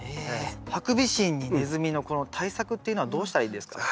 ハクビシンにネズミのこの対策っていうのはどうしたらいいんですかね？